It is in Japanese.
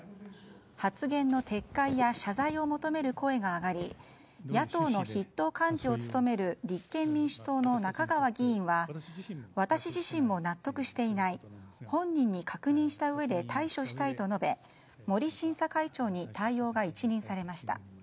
発言の撤回や謝罪を求める声が上がり野党の筆頭幹事を務める立憲民主党の中川議員は私自身も納得していない本人に確認したうえで対処したいと述べ森審査会長に対応が一任されました。